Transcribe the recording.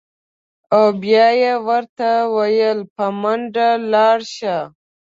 او بیا یې ورته ویل: په منډه لاړ شه.